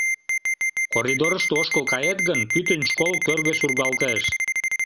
Коридорышто ошкыл кает гын, пӱтынь школ кӧргӧ сургалтеш.